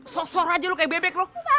sosor aja lu kaya bebek lu